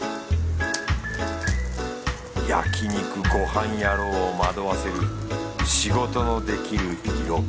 焼肉ごはん野郎を惑わせる仕事のできる色気